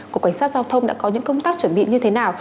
cục cảnh sát giao thông đã có những công tác chuẩn bị như thế nào